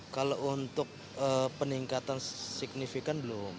kalau untuk peningkatan signifikan belum